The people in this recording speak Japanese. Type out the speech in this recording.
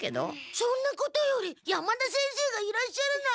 そんなことより山田先生がいらっしゃらない。